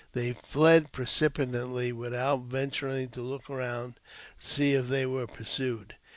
They fled precipitately without venturing \ to look round to see if they were pursued.